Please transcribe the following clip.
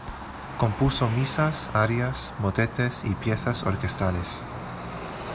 Compuso misas, arias, motetes y piezas orquestales.